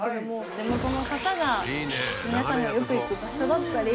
地元の方が皆さんがよく行く場所だったり。